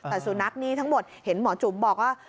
แต่สุนัขนี่ทั้งหมดเห็นหมอจุ๋มบอกว่า